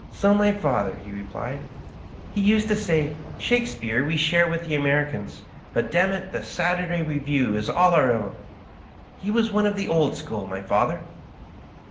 " So had my father," he replied. " He used to say, * Shakespeare we share with the Americans, but, damn it, the " Saturday Review " is all our own 1 ' He was one of the old school, my father."